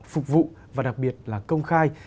phục vụ và đặc biệt là công khai